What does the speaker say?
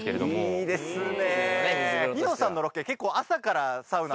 いいですね。